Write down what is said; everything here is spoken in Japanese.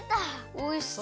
おいしそう。